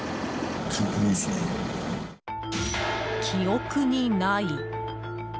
記憶にない。